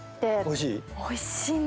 おいしい？